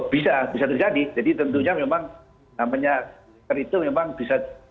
bisa bisa terjadi jadi tentunya memang namanya masker itu memang bisa